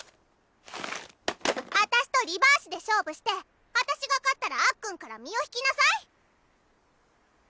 私とリバーシで勝負して私が勝ったらあっくんから身を引きなさい。